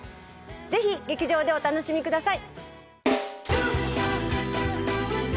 ぜひ劇場でお楽しみください！